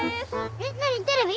えっ何テレビ？